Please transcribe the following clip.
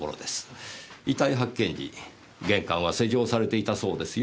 遺体発見時玄関は施錠されていたそうですよ。